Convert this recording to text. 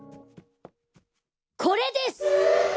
これです！